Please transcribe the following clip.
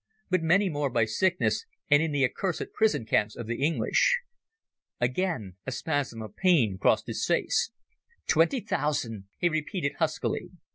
But many more by sickness and in the accursed prison camps of the English." Again a spasm of pain crossed his face. "Twenty thousand," he repeated huskily.